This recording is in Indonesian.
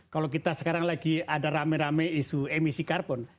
kalau kita sekarang lagi ada rame rame isu emisi karbon